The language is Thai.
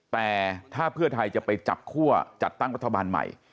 แต่ถ้าเพื่อไทยจะไปจับคั่วจัดตั้งรัฐบาลใหม่